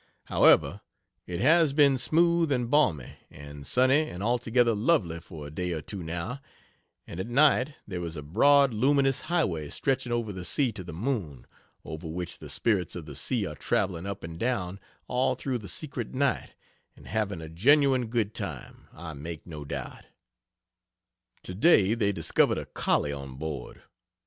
However, it has been smooth, and balmy, and sunny and altogether lovely for a day or two now, and at night there is a broad luminous highway stretching over the sea to the moon, over which the spirits of the sea are traveling up and down all through the secret night and having a genuine good time, I make no doubt. Today they discovered a "collie" on board!